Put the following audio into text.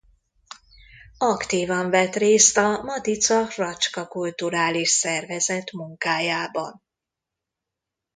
Aktívan vett részt a Matica hrvatska kulturális szervezet munkájában.